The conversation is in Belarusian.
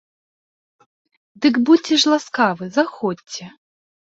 Дык будзьце ж ласкавы, заходзьце!